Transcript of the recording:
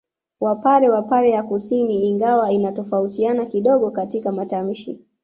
Wapare wa pare ya kusini ingawa inatofautiana kidogo katika matamshi